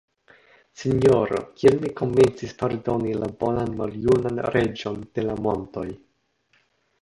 Sinjoro, kiel mi komencis pardoni la bonan maljunan Reĝon de la montoj!